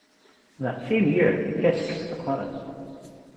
That same year he tested for McLaren.